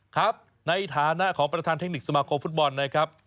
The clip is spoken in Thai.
ครับในฐานะของประธานเทคนิคสมาคมฟุตบอลนะครับ